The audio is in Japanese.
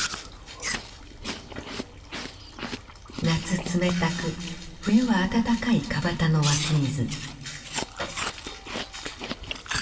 夏冷たく冬は温かい川端の湧き水。